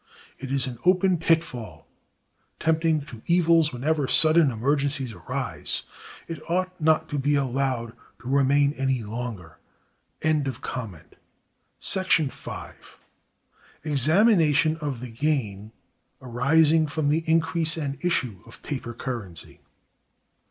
It is an open pitfall, tempting to evils whenever sudden emergencies arise. It ought not to be allowed to remain any longer. § 5. Examination of the gain arising from the increase and issue of paper Currency.